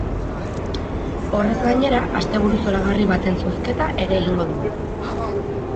Horrez gainera, asteburu zoragarri baten zozketa ere egingo dugu.